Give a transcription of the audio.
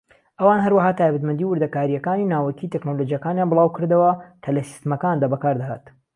ئەوان هەروەها تایبەتمەندی و وردەکارییەکانی ناوەکی تەکنەلۆجیاکانیان بڵاوکردەوە کە لە سیستەمەکاندا بەکاردەهات.